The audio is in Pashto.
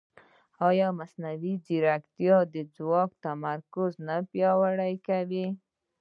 ایا مصنوعي ځیرکتیا د ځواک تمرکز نه پیاوړی کوي؟